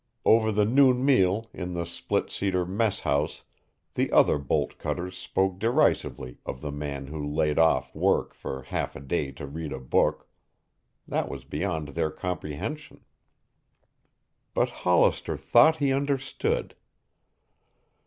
Over the noon meal in the split cedar mess house, the other bolt cutters spoke derisively of the man who laid off work for half a day to read a book. That was beyond their comprehension. But Hollister thought he understood.